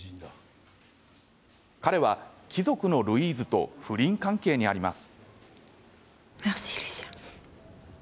彼は貴族のルイーズと不倫関係にあります。